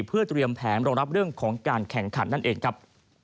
เพื่อเตรียมแผนรองรับเรื่องของการแข่งขันนั่นเองครับ